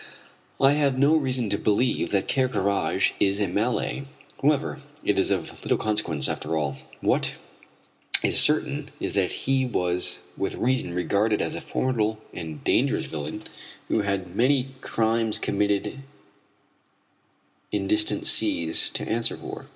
I have now reason to believe that Ker Karraje is a Malay. However, it is of little consequence, after all. What is certain is that he was with reason regarded as a formidable and dangerous villain who had many crimes, committed in distant seas, to answer for.